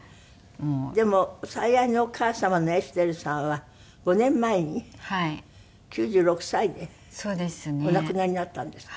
でも最愛のお母様の江すてるさんは５年前に９６歳でお亡くなりになったんですって？